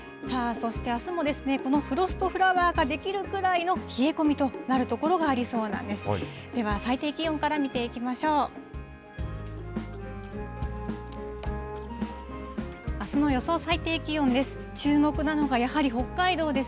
そしてあすも、このフロストフラワーが出来るくらいの冷え込みとなる所がありそうなんです。